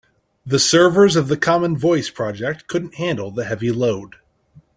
The servers of the common voice project couldn't handle the heavy load.